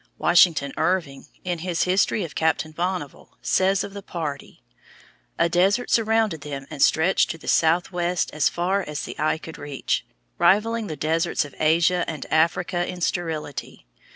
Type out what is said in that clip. Washington Irving, in his history of Captain Bonneville, says of the party, "A desert surrounded them and stretched to the southwest as far as the eye could reach, rivalling the deserts of Asia and Africa in sterility.